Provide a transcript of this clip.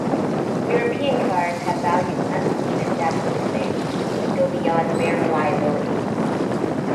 European cars have values unseen in Japanese makes that go beyond mere reliability.